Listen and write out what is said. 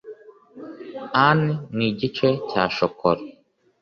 ann ni igice cya shokora